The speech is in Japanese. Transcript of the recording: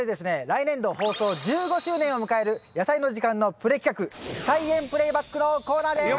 来年度放送１５周年を迎える「やさいの時間」のプレ企画「菜園プレイバック」のコーナーです！